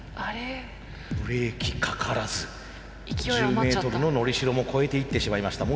ブレーキかからず１０メートルののりしろも越えていってしまいました。